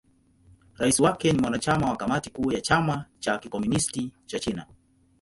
Rais wake ni mwanachama wa Kamati Kuu ya Chama cha Kikomunisti cha China.